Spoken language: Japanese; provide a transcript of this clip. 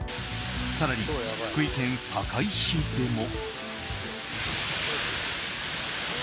更に福井県坂井市でも。